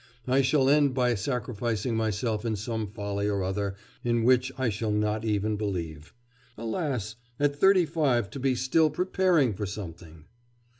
I shall end by sacrificing myself to some folly or other in which I shall not even believe.... Alas! at thirty five to be still preparing for something!...